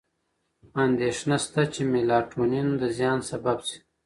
اندېښنه شته چې میلاټونین د زیان سبب شي.